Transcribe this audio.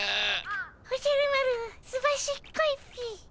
おじゃる丸すばしっこいっピ。